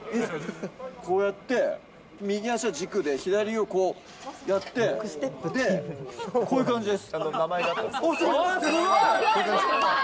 こうやって、右足が軸で、左足をこうやって、で、こういう感じです。